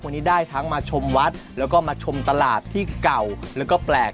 วันนี้ได้ทั้งมาชมวัดแล้วก็มาชมตลาดที่เก่าแล้วก็แปลก